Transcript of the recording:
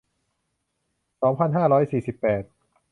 สองพันห้าร้อยสี่สิบแปด